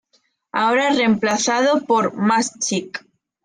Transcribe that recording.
Ahora reemplazado por Más Chic.